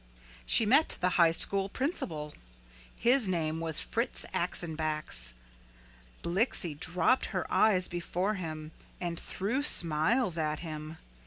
She met the high school principal. His name was Fritz Axenbax. Blixie dropped her eyes before him and threw smiles at him.